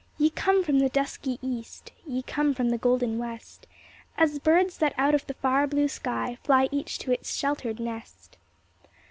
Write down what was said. Ye come from the dusky East, Ye come from the golden West, As birds that out of the far blue sky Fly each to its sheltered nest.